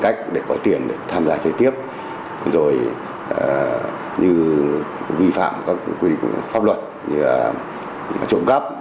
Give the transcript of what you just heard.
cách để có tiền để tham gia chơi tiếp rồi như vi phạm các quy định pháp luật như là trộm cắp